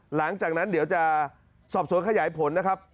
หลังจากนั้นเดี๋ยวจะสอบสวนขยายผลนะครับ